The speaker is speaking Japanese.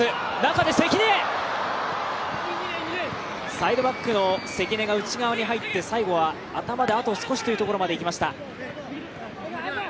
サイドバックの関根が内側に入って最後は頭であと少しというところまでいきました。